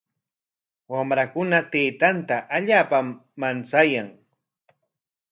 Wamrakuna taytanta allaapam manchayan.